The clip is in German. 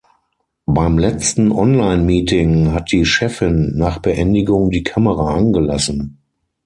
Beim letzten Online Meeting hat die Chefin nach Beendigung die Kamera angelassen.